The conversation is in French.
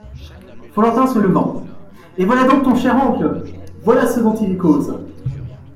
Follentin se levant. — Et voilà ton cher oncle, voilà ce dont il est cause !